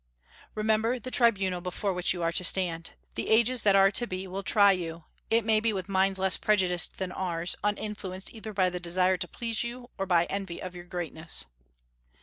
Remember the tribunal before which you are to stand. The ages that are to be will try you, it may be with minds less prejudiced than ours, uninfluenced either by the desire to please you or by envy of your greatness."